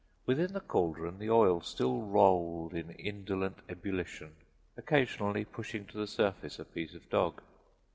Within the cauldron the oil still rolled in indolent ebullition, occasionally pushing to the surface a piece of dog.